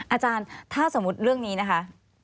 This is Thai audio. อาจารย์ถ้าสมมุติเรื่องนี้นะคะ